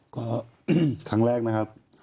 ก็ครั้งแรกนะครับ